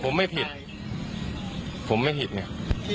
ผมไม่ผิดผมไม่ผิดเนี่ย